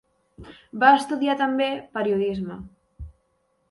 Va estudiar també periodisme.